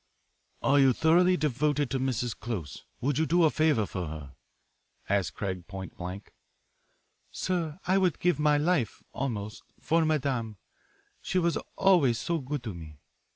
"Are you thoroughly devoted to Mrs. Close? Would you do a favour for her?" asked Craig point blank. "Sir, I would give my life, almost, for madame. She was always so good to me."